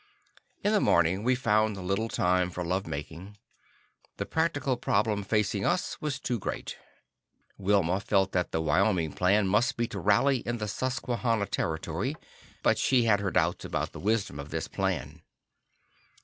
In the morning we found little time for love making. The practical problem facing us was too great. Wilma felt that the Wyoming plan must be to rally in the Susquanna territory, but she had her doubts about the wisdom of this plan.